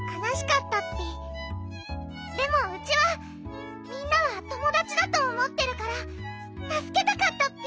でもウチはみんなはともだちだとおもってるからたすけたかったッピ！